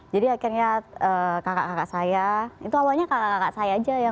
jadi akhirnya kakak kakak saya itu awalnya kakak kakak saya aja